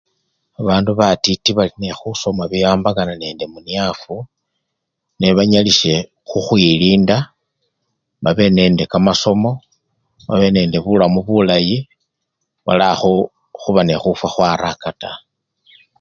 Babandu batiti bali nekhusoma bibiwambakana nende muniafu nebanyalisye khukhwilinda, babe nende kamasomo, babe nende bulamu bulayi bala khba ne khu! khufwa araka taa.